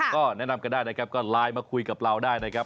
ก็แนะนำกันได้นะครับก็ไลน์มาคุยกับเราได้นะครับ